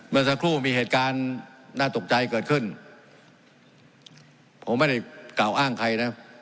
เมื่อสักครู่มีเหตุการณ์น่าตกใจเกิดขึ้นผมไม่ได้กล่าวอ้างใครนะ